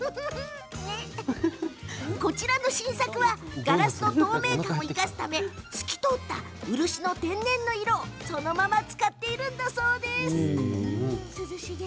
こちらの新作はガラスの透明感を生かすため透き通った漆の天然の色をそのまま使っているんだそう。